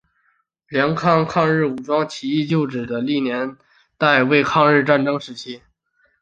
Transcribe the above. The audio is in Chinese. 良垌抗日武装起义旧址的历史年代为抗日战争时期。